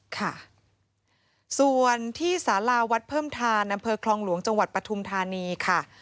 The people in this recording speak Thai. ค่ะส่วนที่สาลาวัดเพิ่มทานนคลองหลวงจปทุมธานีค่ะ